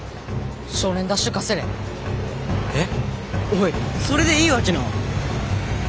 おいそれでいいわけなぁ？